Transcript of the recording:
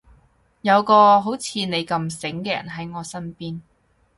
有個好似你咁醒嘅人喺我身邊